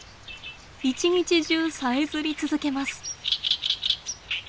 一日中さえずり続けます。